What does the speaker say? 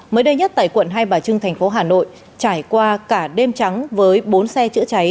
mới đây nhất tại quận hai bà trưng thành phố hà nội trải qua cả đêm trắng với bốn xe chữa cháy